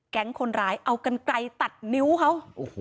คนร้ายเอากันไกลตัดนิ้วเขา